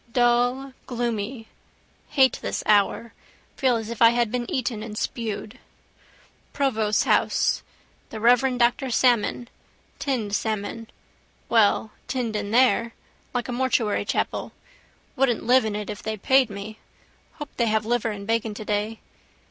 Dull, gloomy: hate this hour. Feel as if I had been eaten and spewed. Provost's house. The reverend Dr Salmon: tinned salmon. Well tinned in there. Like a mortuary chapel. Wouldn't live in it if they paid me. Hope they have liver and bacon today.